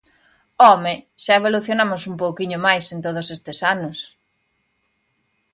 ¡Home!, xa evolucionamos un pouquiño máis en todos estes anos.